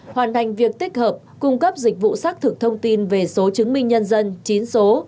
hoàn thành việc tích hợp cung cấp dịch vụ xác thực thông tin về số chứng minh nhân dân chín số